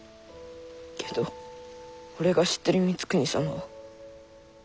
けど俺が知ってる光圀様は。